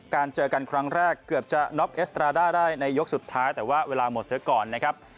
เจอกันครั้งแรกเกือบจะน็อกเอสตราด้าได้ในยกสุดท้ายแต่ว่าเวลาหมดเสียก่อนนะครับ